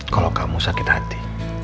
kalau kamu sakit hati